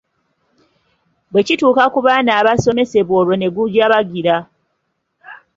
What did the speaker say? Bwe kituuka ku baana abasomesebwa olwo ne gujabagira.